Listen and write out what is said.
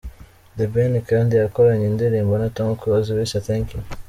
The Ben kandi yakoranye indirimbo na Tom Close bise "Thank you".